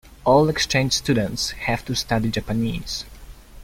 All exchange students have to study Japanese.